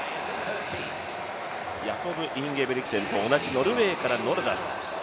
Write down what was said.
ヤコブ・インゲブリクセンと同じノルウェーからノルダス。